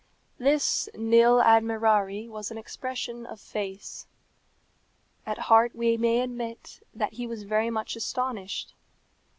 This nil admirari was an expression of face. At heart we may admit that he was very much astonished.